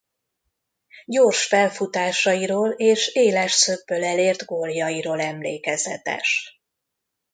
Gyors felfutásairól és éles szögből elért góljairól emlékezetes.